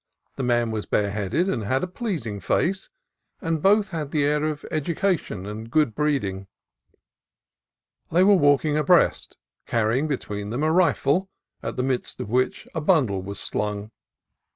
The man was bareheaded, and had a pleasing face, and both had the air of education and good breeding. They were walking abreast, carry ing between them a rifle, at the middle of which a bundle was slung.